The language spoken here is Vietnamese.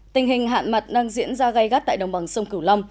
tình hình hạn mặn đang diễn ra gây gắt tại đồng bằng sông cửu lâm